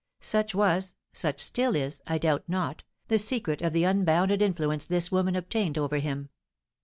Such was such still is, I doubt not the secret of the unbounded influence this woman obtained over him.